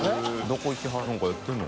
どこ行きはる？